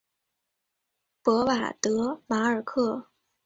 博瓦德马尔克。